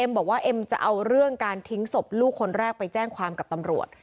บอกว่าเอ็มจะเอาเรื่องการทิ้งศพลูกคนแรกไปแจ้งความกับตำรวจ